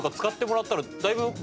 使ってもらったらだいぶ。